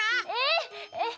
えっ？